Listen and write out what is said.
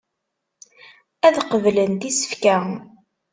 Ad qeblent isefka.